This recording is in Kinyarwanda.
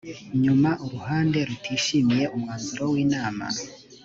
nyuma uruhande rutishimiye umwanzuro w inama